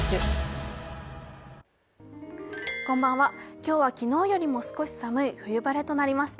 今日は昨日よりも少し寒い冬晴れとなりました。